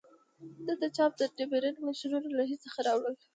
ده د چاپ ډبرین ماشینونه له هند څخه راوړل.